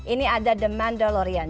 ini ada the mandalorian